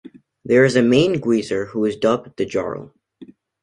There is a main guizer who is dubbed the "Jarl".